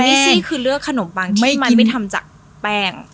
ขนมปังนี้ซีคือเลือกขนมปังที่มันไม่ทำจากแป้ง